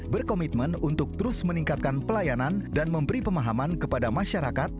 berkomitmen untuk terus meningkatkan pelayanan dan memberi pemahaman kepada masyarakat